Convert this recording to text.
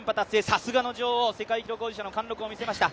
さすがの女王、世界記録保持者の貫禄を見せました。